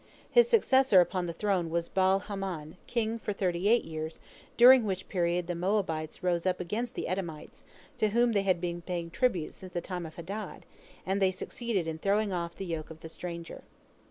His successor upon the throne was Baal Hamon, king for thirty eight years, during which period the Moabites rose up against the Edomites, to whom they had been paying tribute since the time of Hadad, and they succeeded in throwing off the yoke of the stranger.